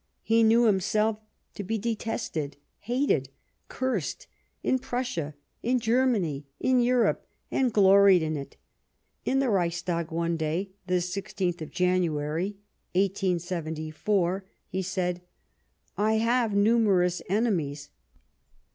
He knew himself to be detested, hated, cursed, in Prussia, in Germany, in Europe, and gloried in it. In the Reichstag one day (the i6th of January, 1874) he said : "I have numerous enemies.